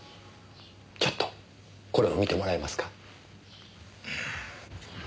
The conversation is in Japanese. ちょっとこれを見てもらえますか。